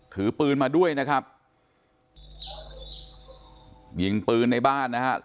ถือปืนมาด้วยนะครับยิงปืนในบ้านนะฮะ